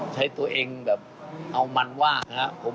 ใช้ตัวเองแบบเอามันว่างนะครับ